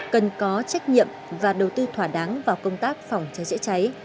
cần có trách nhiệm và đầu tư thỏa đáng vào công tác phòng cháy chữa cháy